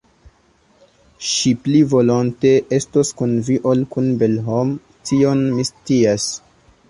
Ŝi pli volonte estos kun Vi ol kun Belhom, tion mi scias.